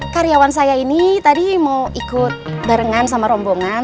karyawan saya ini tadi mau ikut barengan sama rombongan